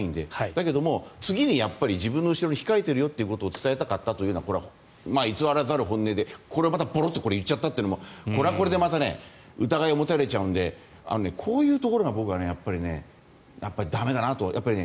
だけども、次に自分の後ろに控えているよということを伝えたかったというのはこれは偽らざる本音で、これをボロッと言っちゃったというのもこれはこれでまた疑いを持たれちゃうのでこういうところが僕は、駄目だなと。